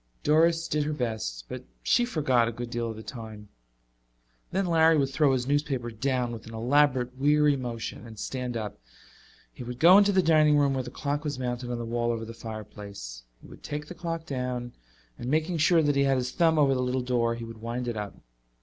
Doris did her best, but she forgot a good deal of the time. Then Larry would throw his newspaper down with an elaborate weary motion and stand up. He would go into the dining room where the clock was mounted on the wall over the fireplace. He would take the clock down and making sure that he had his thumb over the little door, he would wind it up.